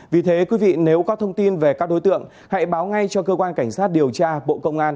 vì thế quý vị nếu có thông tin về các đối tượng hãy báo ngay cho cơ quan cảnh sát điều tra bộ công an